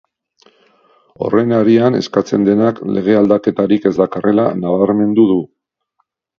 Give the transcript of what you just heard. Horren harian eskatzen denak lege aldaketarik ez dakarrela nabarmendu du.